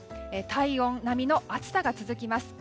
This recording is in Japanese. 体温並みの暑さが続きます。